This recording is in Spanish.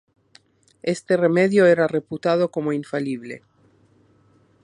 Este remedio era reputado como infalible.